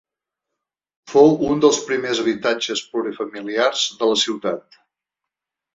Fou un dels primers habitatges plurifamiliars de la ciutat.